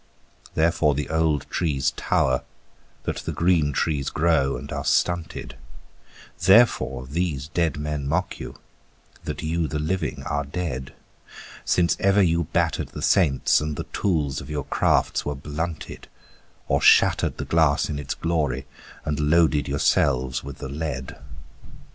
Therefore the old trees tower, that the green trees grow and are stunted: Therefore these dead men mock you, that you the living are dead: Since ever you battered the saints and the tools of your crafts were blunted, Or shattered the glass in its glory and loaded yourselves with the lead.